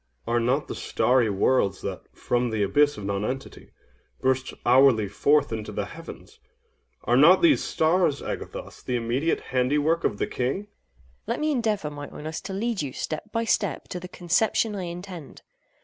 OINOS. Are not the starry worlds that, from the abyss of nonentity, burst hourly forth into the heavens—are not these stars, Agathos, the immediate handiwork of the King? AGATHOS. Let me endeavor, my Oinos, to lead you, step by step, to the conception I intend.